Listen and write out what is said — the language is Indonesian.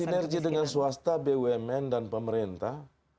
sinergi dengan swasta bumn dan pemerintah